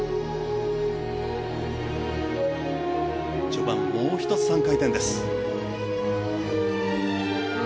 序盤もう１つ、３回転です。